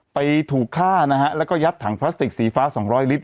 ไปถูกฆ่านะครับแล้วก็ยัดถังพลาสติกสีฟ้า๒๐๐ลิตร